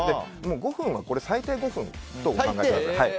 ５分は最低５分とお考えください。